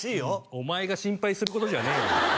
お前が心配することじゃねえよ